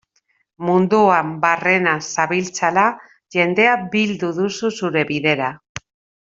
Munduan barrena zabiltzala, jendea bildu duzu zure bidera.